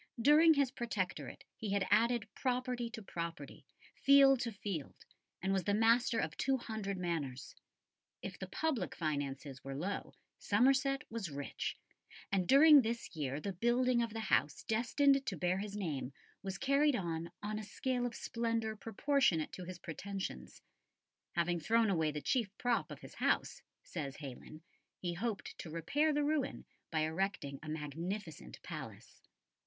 During his Protectorate he had added property to property, field to field, and was the master of two hundred manors. If the public finances were low, Somerset was rich, and during this year the building of the house destined to bear his name was carried on on a scale of splendour proportionate to his pretensions. Having thrown away the chief prop of his house, says Heylyn, he hoped to repair the ruin by erecting a magnificent palace.